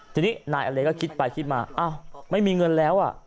ทีนี้นายอเลก็คิดไปคิดมาอ้าวไม่มีเงินแล้ว